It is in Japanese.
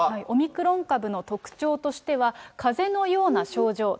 オミクロン株の特徴としては、かぜのような症状。